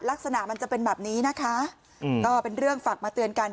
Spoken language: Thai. ลักษณะมันจะเป็นแบบนี้นะคะก็เป็นเรื่องฝากมาเตือนกัน